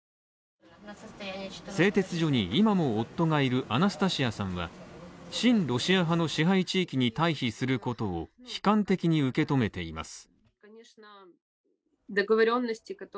製鉄所に今も夫がいるアナスタシアさんは親ロシア派の支配地域に退避することを悲観的に受け止めています。